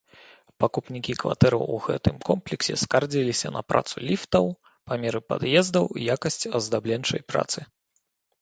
Пакупнікі кватэраў у гэтым комплексе скардзіліся на працу ліфтаў, памеры пад'ездаў, якасць аздабленчай працы.